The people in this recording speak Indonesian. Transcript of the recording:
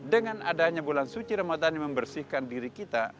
dengan adanya bulan suci ramadan yang membersihkan diri kita